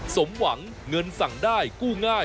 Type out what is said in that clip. สวัสดีค่ะต้อนรับคุณบุษฎี